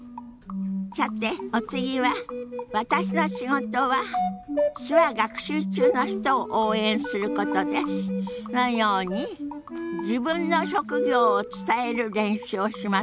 さてお次は「私の仕事は手話学習中の人を応援することです」のように自分の職業を伝える練習をしますよ。